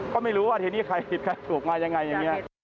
ก็ไม่รู้ว่าทีนี้ใครผิดใครถูกมายังไงอย่างนี้